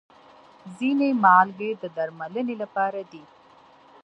ځینې مالګې د درملنې لپاره دي.